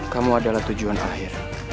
kamu adalah tujuan akhir